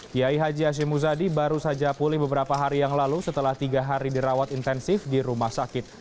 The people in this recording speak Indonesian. kiai haji hashim muzadi baru saja pulih beberapa hari yang lalu setelah tiga hari dirawat intensif di rumah sakit